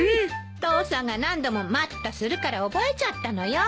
父さんが何度も「待った」するから覚えちゃったのよ。